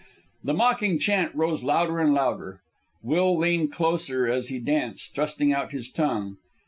The mocking chant rose louder and louder. Will leaned closer as he danced, thrusting out his tongue.